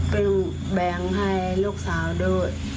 แบ่งให้ลูกสาวด้วย